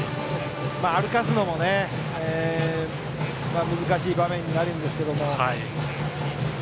歩かすのも難しい場面になるんですけども。